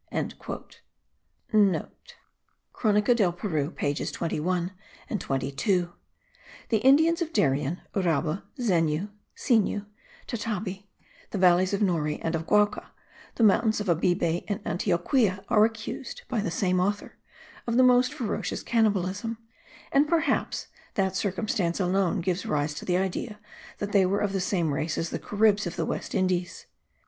(* Cronica del Peru pages 21 and 22. The Indians of Darien, Uraba, Zenu (Sinu), Tatabe, the valleys of Nore and of Guaca, the mountains of Abibe and Antioquia, are accused, by the same author, of the most ferocious cannibalism; and perhaps that circumstance alone gives rise to the idea that they were of the same race as the Caribs of the West Indies.